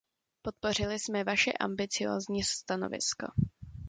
Podpořili jsme vaše ambiciózní stanovisko.